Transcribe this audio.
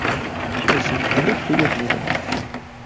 Kersent mliḥ tuyat-nnem.